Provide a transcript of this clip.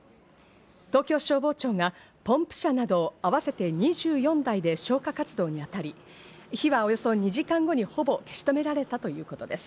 東京消防庁がポンプ車など合わせて２４台で消火活動に当たり、火はおよそ２時間後にほぼ消し止められたということです。